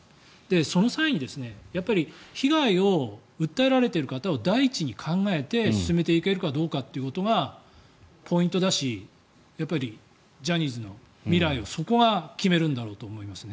その際に被害を訴えられている方を第一に考えて進めていけるかということがポイントだしジャニーズの未来をそこが決めるんだろうと思いますね。